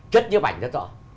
chất như bảnh rất rõ